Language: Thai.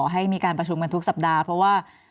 ให้มีการประชุมกันทุกสัปดาห์เพราะว่า